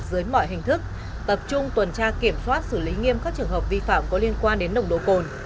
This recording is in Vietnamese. dưới mọi hình thức tập trung tuần tra kiểm soát xử lý nghiêm các trường hợp vi phạm có liên quan đến nồng độ cồn